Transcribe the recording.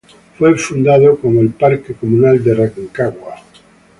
Fue fundado como el Parque Comunal de Rancagua.